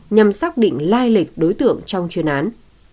nhằm xác định lai lịch đối tượng trong chuyên án